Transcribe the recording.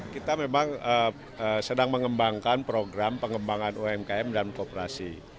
kita memang sedang mengembangkan program pengembangan umkm dan kooperasi